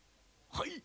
はい？